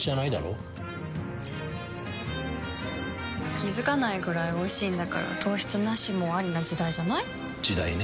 気付かないくらいおいしいんだから糖質ナシもアリな時代じゃない？時代ね。